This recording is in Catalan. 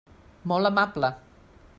Molt amable.